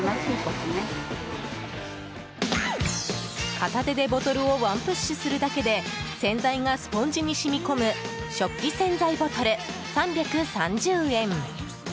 片手でボトルをワンプッシュするだけで洗剤がスポンジに染み込む食器洗剤ボトル、３３０円。